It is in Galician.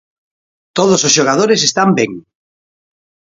Todos os xogadores están ben.